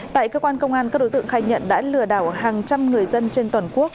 tại cơ quan công an các đối tượng khai nhận đã lừa đảo hàng trăm người dân trên toàn quốc